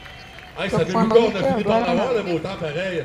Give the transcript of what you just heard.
Jo fuambo gikeyo dwaro nang'o.